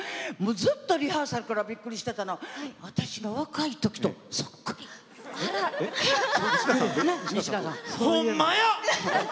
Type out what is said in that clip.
ずっとリハーサルからびっくりしてたのは私が若いときと、そっくり！ほんまや！